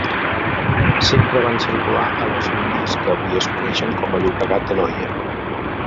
Sempre van circular a les línies que avui es coneixen com a Llobregat-Anoia.